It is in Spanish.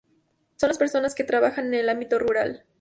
Son las personas que trabajan en el ámbito rural.